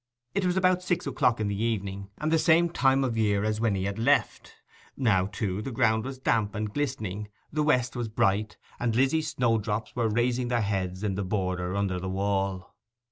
It was about six o'clock in the evening, and the same time of year as when he had left; now, too, the ground was damp and glistening, the west was bright, and Lizzy's snowdrops were raising their heads in the border under the wall.